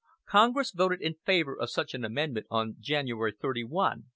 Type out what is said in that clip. Congress voted in favor of such an amendment on January 31, 1865.